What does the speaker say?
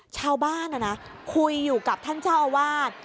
ชาวบ้านคุยอยู่กับท่านเจ้าอาวาส